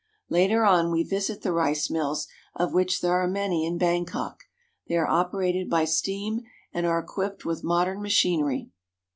Later on we visit the rice mills, of which there are many in Bangkok. They are operated by steam and are equipped with modern machinery.